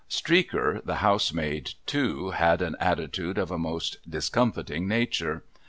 Streaker, the housemaid, too, had an attribute of a most dis comfiting nature.